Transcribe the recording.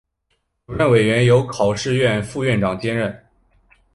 主任委员由考试院副院长兼任。